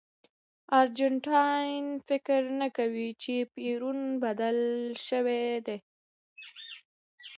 ارجنټاینان فکر نه کوي چې پېرون بدل شوی دی.